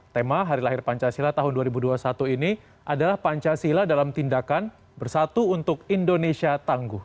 tema hari lahir pancasila tahun dua ribu dua puluh satu ini adalah pancasila dalam tindakan bersatu untuk indonesia tangguh